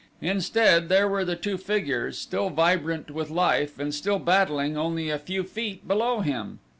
Instead, there were the two figures still vibrant with life and still battling only a few feet below him.